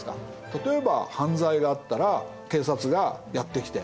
例えば犯罪があったら警察がやって来て守ってくれる。